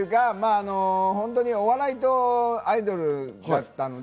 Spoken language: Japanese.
お笑いとアイドルだったので。